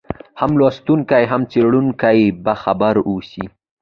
هم لوستونکی هم څېړونکی په خبر واوسي.